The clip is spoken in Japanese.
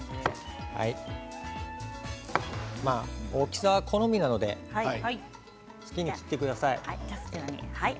大きさは好みなので好きに切ってください。